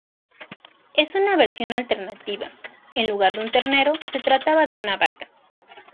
En una versión alternativa, en lugar de un ternero se trataba de una vaca.